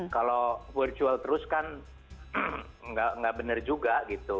kalau virtual terus kan nggak benar juga gitu